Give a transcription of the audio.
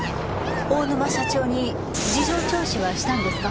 大沼社長に事情聴取はしたんですか？